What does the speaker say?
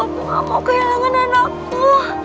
aku mau kehilangan anakku